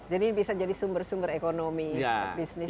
jadi ini bisa jadi sumber sumber ekonomi bisnis